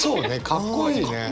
かっこいい。